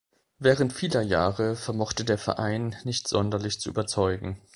Während vieler Jahre vermochte der Verein nicht sonderlich zu überzeugen.